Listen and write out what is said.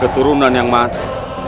keturunan yang mati